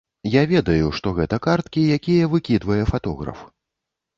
Я ведаю, што гэта карткі, якія выкідвае фатограф.